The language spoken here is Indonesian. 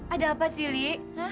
ada apa sih li